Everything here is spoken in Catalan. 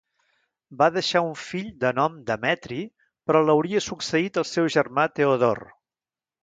Va deixar un fill de nom Demetri, però l'hauria succeït el seu germà Teodor.